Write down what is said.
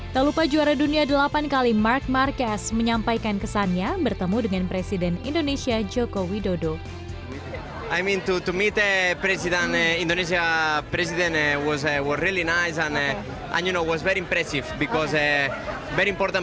tak lupa juara dunia delapan kali mark marquez menyampaikan kesannya bertemu dengan presiden indonesia joko widodo